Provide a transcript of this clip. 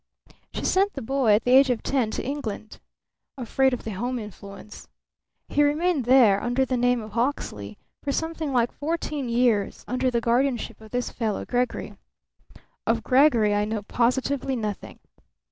She sent the boy, at the age of ten, to England. Afraid of the home influence. He remained there, under the name of Hawksley, for something like fourteen years, under the guardianship of this fellow Gregory. Of Gregory I know positively nothing.